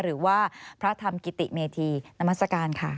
หรือว่าพระธรรมกิติเมธีนามัศกาลค่ะ